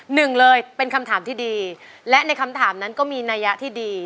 หนึ่งเลยเป็นคำถามที่ดีและในคำถามนั้นก็มีนัยยะที่ดี